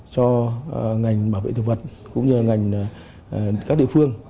cho ngành bảo vệ thực vật cũng như ngành các địa phương